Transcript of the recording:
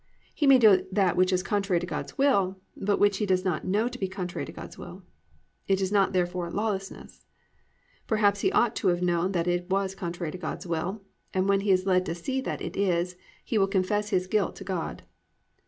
_ He may do that which is contrary to God's will, but which he does not know to be contrary to God's will. It is not therefore "lawlessness." Perhaps he ought to have known that it was contrary to God's will and when he is led to see that it is, he will confess his guilt to God.